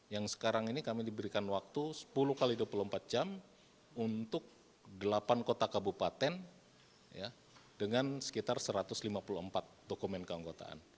yang sekarang ini kami diberikan waktu sepuluh x dua puluh empat jam untuk delapan kota kabupaten dengan sekitar satu ratus lima puluh empat dokumen keanggotaan